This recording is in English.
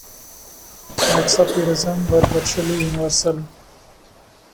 Acts of heroism were virtually universal.